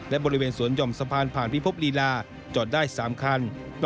และบริเวณสวนห่อมสะพานผ่านพิภพลีลาจอดได้๓คัน